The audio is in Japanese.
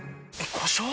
故障？